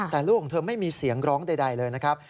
แต่ลูกของเธอไม่มีเสียงร้องใดเลยนะครับ